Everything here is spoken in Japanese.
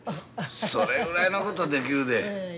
それぐらいのことできるで。